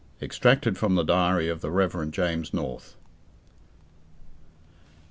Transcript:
EXTRACTED FROM THE DIARY OF THE REV. JAMES NORTH.